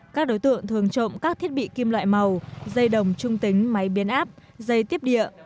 các đối tượng thường trộm các thiết bị kim loại màu dây đồng trung tính máy biến áp dây tiếp địa